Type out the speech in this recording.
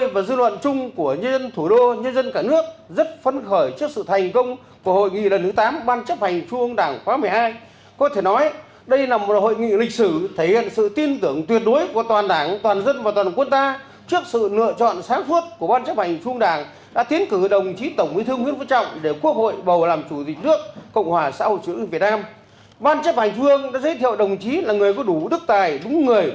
việc trung ương nhất trí cao giới thiệu đồng chí tổng bí thư nguyễn phú trọng để quốc hội bầu chức sanh chủ tịch nước trong kỳ họp tới